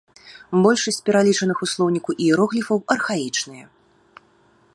Большасць пералічаных у слоўніку іерогліфаў архаічныя.